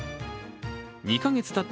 ２か月たった